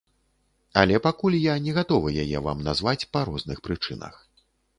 Але пакуль я не гатовы яе вам назваць па розных прычынах.